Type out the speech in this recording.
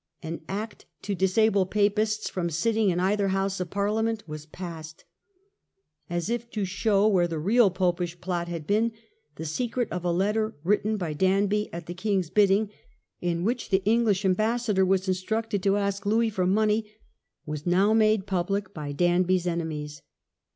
An act to disable Papists from sitting in either house of Parliament was passed. As if to show where the real Popish Plot had been, the secret of a letter, written by Danby at the king's bidding, in which the English am bassador was instructed to ask Louis for money, was now made public by Danby's enemies.